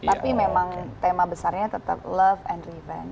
tapi memang tema besarnya tetap love and revent